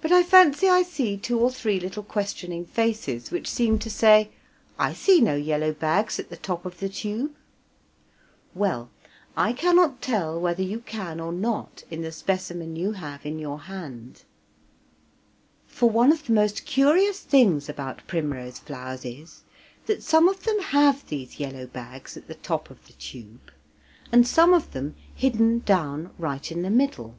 But I fancy I see two or three little questioning faces which seem to say, "I see no yellow bags at the top of the tube." Well, I cannot tell whether you can or not in the specimen you have in your hand; for one of the most curious things about primrose flowers is, that some of them have these yellow bags at the top of the tube and some of them hidden down right in the middle.